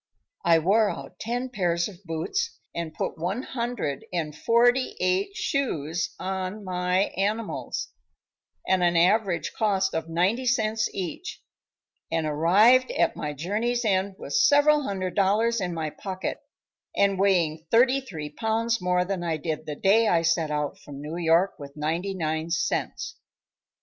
I wore out ten pairs of boots, and put one hundred and forty eight shoes on my animals at an average cost of ninety cents each, and arrived at my journey's end with several hundred dollars in pocket and weighing thirty three pounds more than I did the day I set out from New York with ninety nine cents.